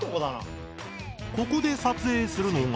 ここで撮影するのが。